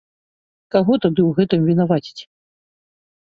Каго тады ў гэтым вінаваціць?